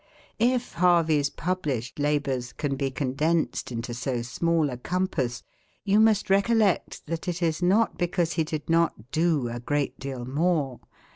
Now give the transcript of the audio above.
If Harvey's published labours can be condensed into so small a compass, you must recollect that it is not because he did not do a great deal more.